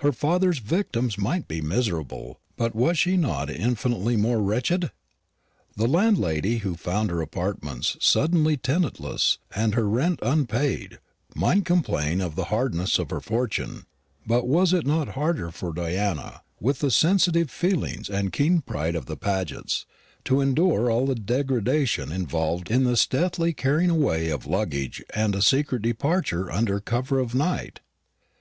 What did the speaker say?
Her father's victims might be miserable, but was not she infinitely more wretched? The landlady who found her apartments suddenly tenantless and her rent unpaid might complain of the hardness of her fortune; but was it not harder for Diana, with the sensitive feelings and keen pride of the Pagets, to endure all the degradation involved in the stealthy carrying away of luggage and a secret departure under cover of night?